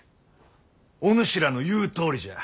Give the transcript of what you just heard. お主らの言うとおりじゃ。